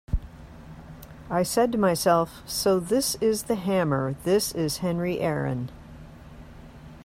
'I said to myself, so this is the Hammer, this is Henry Aaron.